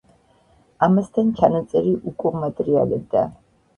ამასთან, ჩანაწერი უკუღმა ტრიალებდა.